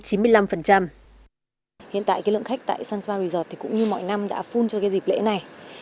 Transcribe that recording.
hiện tại lượng khách tại sunspot resort cũng như mọi năm đã full cho dịp lễ này